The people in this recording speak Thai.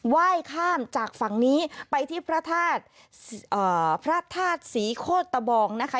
ไหว้ข้ามจากฝั่งนี้ไปที่พระธาตุพระธาตุศรีโคตรตะบองนะคะ